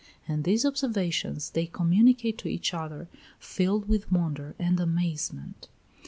And these observations they communicate to each other, filled with wonder and amazement.